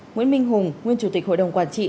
nguyễn minh hùng nguyên chủ tịch hội đồng quản trị